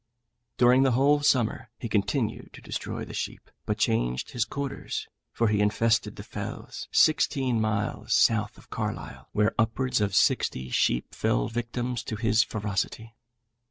During the whole summer he continued to destroy the sheep, but changed his quarters, for he infested the fells, sixteen miles south of Carlisle, where upwards of sixty sheep fell victims to his ferocity.